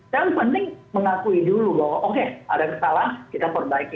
yang penting mengakui dulu bahwa oke ada yang salah kita perbaiki